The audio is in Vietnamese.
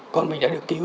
con mình đã được cứu